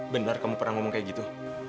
benar kamu pernah ngomong kayak gitu